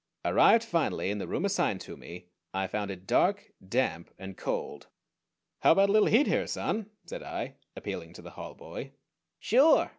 Arrived finally in the room assigned to me, I found it dark, damp, and cold. "How about a little heat here, Son?" said I, appealing to the hallboy. "Sure!"